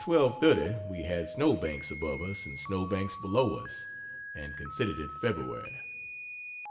30 we had snowbanks above us and snowbanks below us, and considered it February.